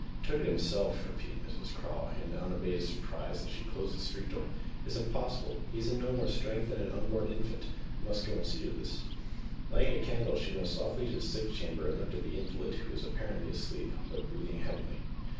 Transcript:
"Took it himself!" repeated Mrs Craw in unabated surprise as she closed the street door. "It's impossible. He's got no more strength than an unborn hinfant. I must go an' see to this." Lighting a candle, she went softly into the sick chamber and looked at the invalid, who was apparently asleep, but breathing heavily.